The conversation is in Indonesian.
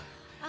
ini tasnya bu